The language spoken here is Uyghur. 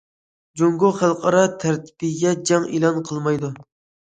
جۇڭگو خەلقئارا تەرتىپكە جەڭ ئېلان قىلمايدۇ.